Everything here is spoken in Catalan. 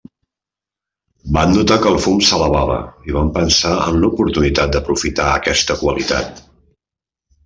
Van notar que el fum s'elevava i van pensar en l'oportunitat d'aprofitar aquesta qualitat.